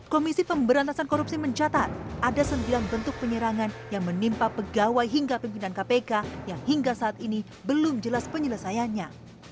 komisi pemberantasan korupsi mencatat ada sembilan bentuk penyerangan yang menimpa pegawai hingga pimpinan kpk yang hingga saat ini belum jelas penyelesaiannya